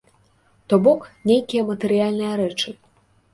То бок, нейкія матэрыяльныя рэчы?